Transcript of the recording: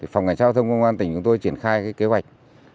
phòng ngành giao thông công an tỉnh chúng tôi triển khai kế hoạch